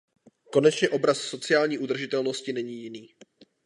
Konečně obraz sociální udržitelnosti není jiný.